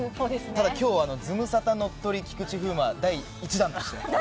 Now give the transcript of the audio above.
ただきょうはズムサタ乗っ取り菊池風磨第１弾として。